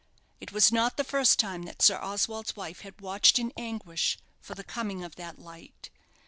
It was not the first time that Sir Oswald's wife had watched in anguish for the coming of that light.